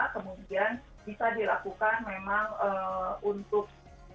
kemudian bisa dilakukan memang untuk